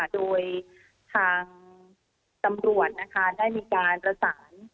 โดยทางตำรวจนะคะได้มีการประสาน